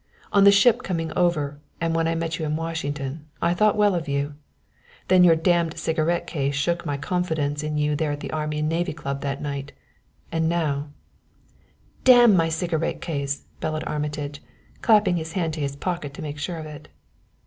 On the ship coming over and when I met you in Washington I thought well of you. Then your damned cigarette case shook my confidence in you there at the Army and Navy Club that night; and now " "Damn my cigarette case!" bellowed Armitage, clapping his hand to his pocket to make sure of it.